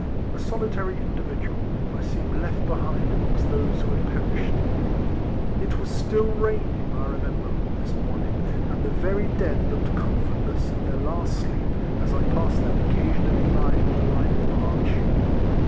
A solitary individual, I seemed left behind amongst those who had perished. RIFLEMAN HARRIS. 225 It was Still raining, I remember, on this morning, and the very dead looked comfort less in their last sleep, as I passed them occasionally lying on the line of march.